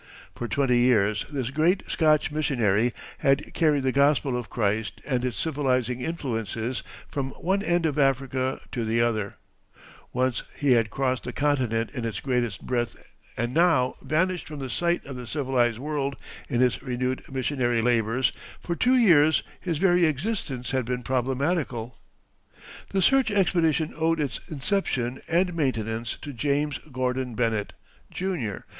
For twenty years this great Scotch missionary had carried the gospel of Christ and its civilizing influences from one end of Africa to the other; once he had crossed the continent in its greatest breadth, and now, vanished from the sight of the civilized world in his renewed missionary labors, for two years his very existence had been problematical. [Illustration: The Hut where Livingstone Died.] The search expedition owed its inception and maintenance to James Gordon Bennett, Jr.